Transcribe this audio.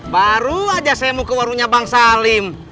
baru aja saya mau ke warungnya bang salim